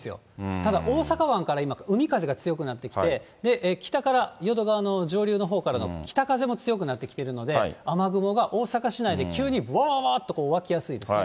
ただ、大阪湾から今、海風が強くなってきて、北から、淀川の上流のほうからの北風も強くなってきているので、雨雲が大阪市内で急にぶおーっと湧きやすいですね。